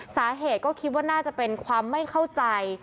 สาเหตุก็คิดว่าน่าจะเป็นความไม่เข้าใจ